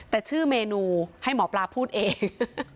แต่ชื่อเมนูให้หมอปลาพูดเอง